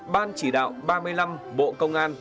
ban chỉ đạo ba mươi năm bộ công an